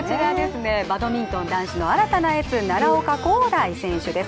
バドミントン男子の新たなエース奈良岡功大選手です。